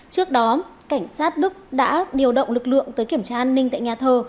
trước đó cảnh sát đức đã điều động lực lượng tới kiểm tra an ninh tại nhà thờ